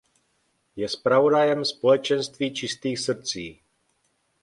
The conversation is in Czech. Je zpravodajem Společenství čistých srdcí.